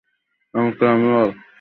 এমনকি আমি ওর হাতটাও ভেঙেছি।